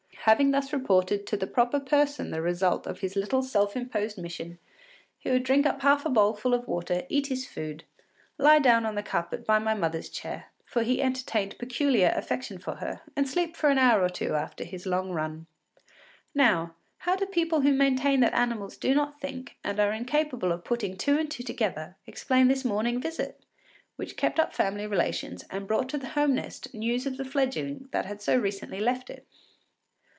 ” Having thus reported to the proper person the result of his self imposed mission, he would drink up half a bowlful of water, eat his food, lie down on the carpet by my mother’s chair, for he entertained peculiar affection for her, and sleep for an hour or two after his long run. Now, how do people who maintain that animals do not think and are incapable of putting two and two together explain this morning visit, which kept up family relations and brought to the home nest news of the fledgeling that had so recently left it?